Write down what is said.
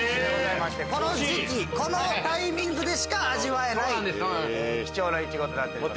この時季このタイミングでしか味わえない貴重なイチゴとなっております。